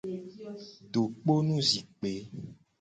Dokponu zikpe.